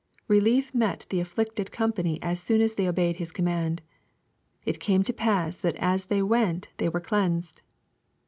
Relief met the afflicted company as soon as they obeyed His command. " It came to pass that as they went they were cleansed."